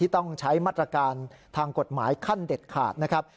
ต้องใช้มาตรการทางกฎหมายขั้นเด็ดขาดนะครับ